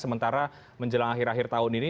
sementara menjelang akhir akhir tahun ini